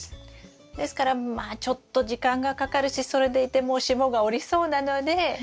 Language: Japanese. ですからまあちょっと時間がかかるしそれでいてもう霜が降りそうなので。